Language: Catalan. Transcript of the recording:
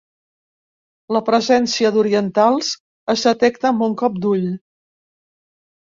La presència d'orientals es detecta amb un cop d'ull.